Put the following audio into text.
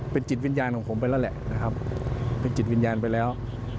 เป็นจิตวิญญาณของผมไปแล้วแหละนะครับเป็นจิตวิญญาณไปแล้ว